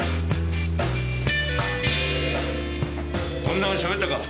女はしゃべったか？